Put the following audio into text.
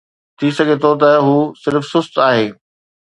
ٿي سگهي ٿو ته هو صرف سست آهي.